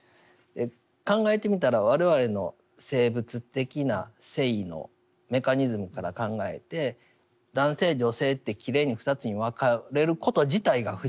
考えてみたら我々の生物的な性のメカニズムから考えて男性女性ってきれいに２つに分かれること自体が不思議ですよね。